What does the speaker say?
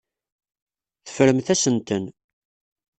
Teffremt-asen-ten.